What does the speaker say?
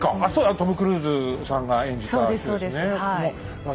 トム・クルーズさんが演じた人ですね。